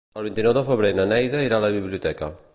El vint-i-nou de febrer na Neida irà a la biblioteca.